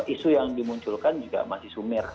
isu yang dimunculkan juga masih sumir